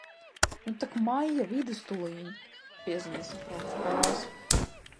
Nu tak maijā vidus tūliņ. Piezvanīja satraukts brālis.